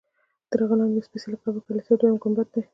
تر هغه لاندې بیا د سپېڅلي قبر کلیسا دویم ګنبد دی.